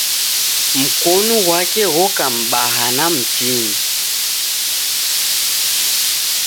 Mkonu ghwake ghoka mbaha na mtini.